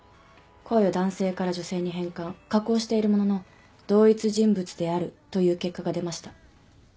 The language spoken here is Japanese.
声を男性から女性に変換加工しているものの同一人物であるという結果が出ました。